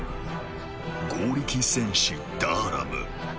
剛力戦士ダーラム。